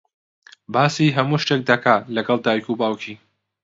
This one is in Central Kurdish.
باسی هەموو شتێک دەکات لەگەڵ دایک و باوکی.